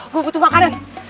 gue butuh makanan